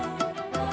nih aku tidur